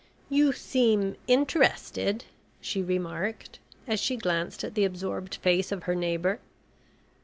"You seem interested," she remarked, as she glanced at the absorbed face of her neighbour.